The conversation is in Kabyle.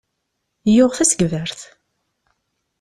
Yuɣ tasegbart.